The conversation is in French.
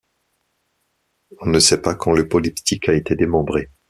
On ne sait pas quand le polyptyque a été démembré.